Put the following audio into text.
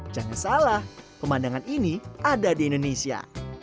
jangan salah pemandangan ini ada di indonesia